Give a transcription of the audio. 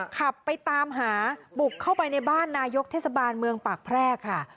ขับไปตามหาบุกเข้าไปในบ้านนายกเทศบาลเมืองปากแพรกค่ะ